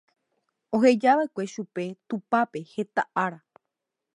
ohejava'ekue chupe tupápe heta ára